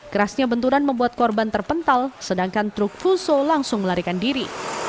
kerasnya benturan membuat korban terpental sedangkan truk fuso langsung melarikan diri